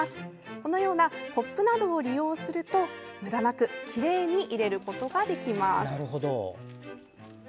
このようなコップなどを利用するとむだなくきれいに入れることができます。